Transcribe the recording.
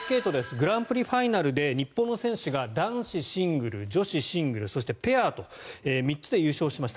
グランプリファイナルで日本の選手が男子シングル、女子シングルそしてペアと３つで優勝しました。